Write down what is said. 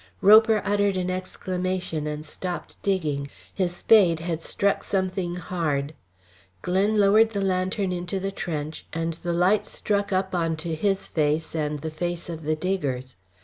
Roper uttered an exclamation and stopped digging. His spade had struck something hard. Glen lowered the lantern into the trench, and the light struck up on to his face and the face of the diggers.